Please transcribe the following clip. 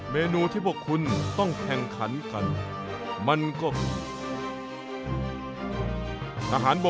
เมนูที่พวกคุณต้องแข่งขันกันมันก็คือ